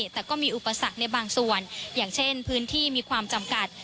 แต่ก็มีอุปสรรคในบางส่วนอย่างเช่นพื้นที่มีความจำกัด